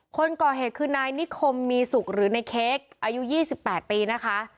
คนก่อเหตุคือนายนิคมมีสุขหรือในเค้กอายุ๒๘ปีนะคะ